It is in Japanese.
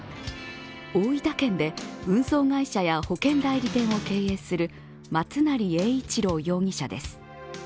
大分県で運送会社や保険代理店を経営する松成英一郎容疑者です。